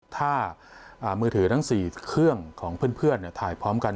ถ้ามือถือทั้ง๔เครื่องของเพื่อนถ่ายพร้อมกัน